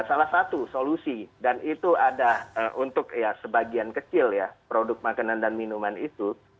salah satu solusi dan itu ada untuk ya sebagian kecil ya produk makanan dan minuman itu